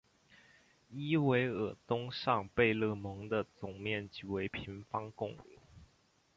伊韦尔东上贝勒蒙的总面积为平方公里。